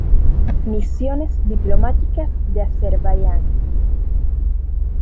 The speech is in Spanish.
Misiones diplomáticas de Azerbaiyán